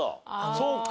そうか。